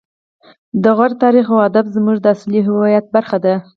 د غور تاریخ او ادب زموږ د اصلي هویت برخه ده